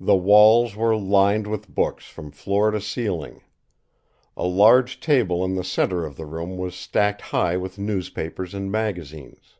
The walls were lined with books from floor to ceiling. A large table in the centre of the room was stacked high with newspapers and magazines.